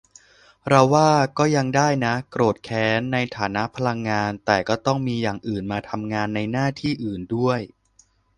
เราว่าก็ยังได้นะ โกรธ แค้น ในฐานะพลังงาน แต่ก็ต้องมีอย่างอื่นมาทำงานในหน้าที่อื่นด้วย